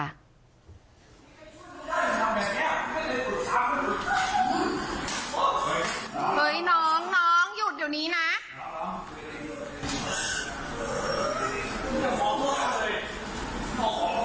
รอพอคืนด้วย